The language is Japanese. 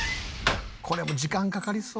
これも時間かかりそう。